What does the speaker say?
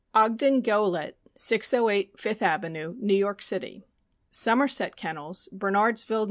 Ogden Goelet, 608 Fifth avenue, New York City; Somerset Ken nels, Bernardsville, N.